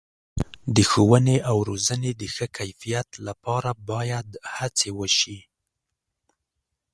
د ښوونې او روزنې د ښه کیفیت لپاره باید هڅې وشي.